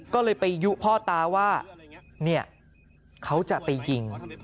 ก็เลยไปยุพ่อตาว่าเนี่ยเขาจะไปยิง